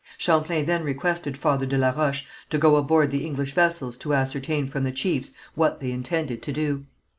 Champlain then requested Father de la Roche to go aboard the English vessels to ascertain from the chiefs what they intended to do.